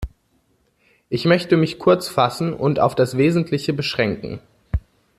Ich möchte mich kurz fassen und auf das Wesentliche beschränken.